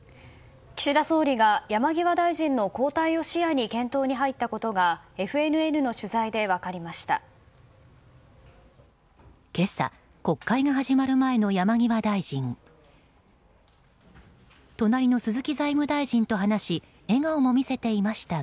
岸田総理が山際大臣の交代を視野に検討に入ったことがＦＮＮの取材で分かりました。